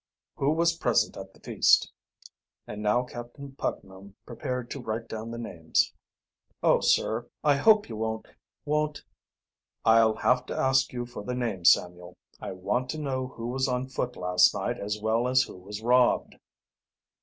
"Who was present at the feast?" And now Captain Putnam prepared to write down the names. "Oh, sir; I hope you won't won't " "I'll have to ask you for the names, Samuel. I want to know who was on foot last night as well as who was robbed."